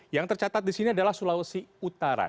yang tercatat di sini adalah sulawesi utara